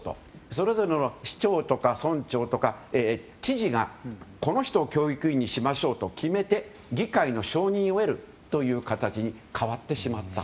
それぞれの市長とか村長とか知事がこの人を教育委員にしましょうと決めて議会の承認を得る形に変わってしまった。